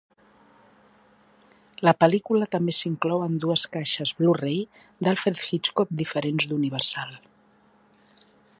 La pel·lícula també s'inclou en dues caixes Blu-ray d'Alfred Hitchcock diferents d'Universal.